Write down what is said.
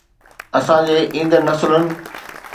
اسان جي ايندڙ نسلن